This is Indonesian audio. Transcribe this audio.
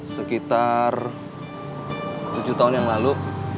sekitar tujuh tahun yang lalu